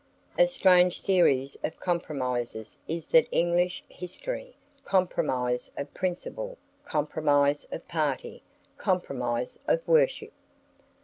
A strange series of compromises is that English History; compromise of principle, compromise of party, compromise of worship!